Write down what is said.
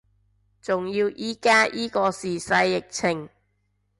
仲要依家依個時勢疫情